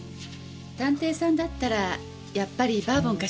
探偵さんだったらやっぱりバーボンかしら？